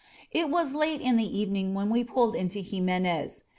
It was late in the evening when we pulled into Jime nez.